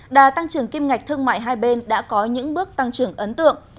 đà tăng trưởng kim ngạch thương mại hai bên đã có những bước tăng trưởng ấn tượng